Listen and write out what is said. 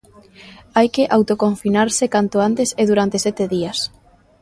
Hai que autoconfinarse canto antes e durante sete días.